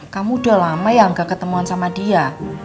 kamu udah lama ya gak ketemuan sama dia